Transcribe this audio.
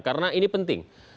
karena ini penting